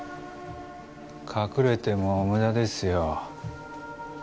隠れても無駄ですよ